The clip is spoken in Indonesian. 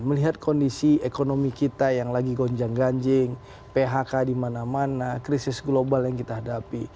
melihat kondisi ekonomi kita yang lagi gonjang ganjing phk di mana mana krisis global yang kita hadapi